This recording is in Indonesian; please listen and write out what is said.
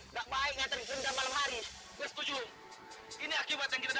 sampai jumpa di video selanjutnya